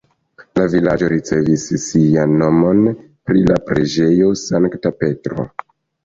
La vilaĝo ricevis sian nomon pri la preĝejo Sankta Petro.